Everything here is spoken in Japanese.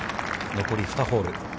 残り２ホール。